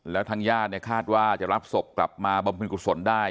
แล้วทางญาติเนี่ยคาดว่าจะรับศพกลับมาบำเพ็ญกุศลได้